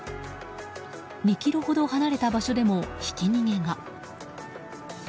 ２ｋｍほど離れた場所でもひき逃げが。